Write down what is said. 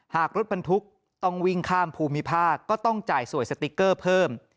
หากรถบรรทุกต้องวิ่งข้ามภูมิภาคก็ต้องจ่ายสวยสติ๊กเกอร์เพิ่ม